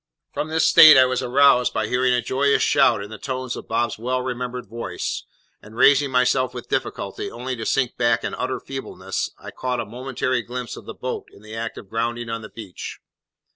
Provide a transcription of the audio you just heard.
From this state I was aroused by hearing a joyous shout in the tones of Bob's well remembered voice; and, raising myself with difficulty, only to sink back in utter feebleness, I caught a momentary glimpse of the boat in the act of grounding on the beach.